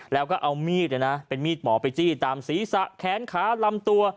แล้วก็เอามีดเป็นมีดหมอไปจี้ตามศีรษะแขนขาลำตัว